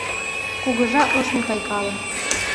Кугыжа ыш мутайкале: